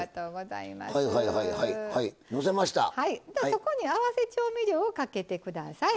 そこに合わせ調味料をかけて下さい。